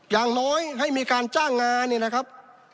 อย่างน้อยให้มีการจ้างงานเนี่ยนะครับ